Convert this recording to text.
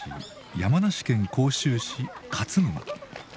山梨県甲州市勝沼。